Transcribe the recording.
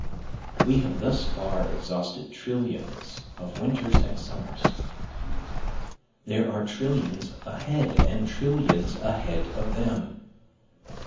We have thus far exhausted trillions of winters and summers, There are trillions ahead, and trillions ahead of them.